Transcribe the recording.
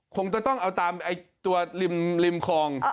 คงจะต้องเอาตามตัวริมคลอง